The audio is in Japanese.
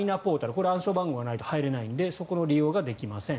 これは暗証番号がないと入れないのでそこの利用ができません。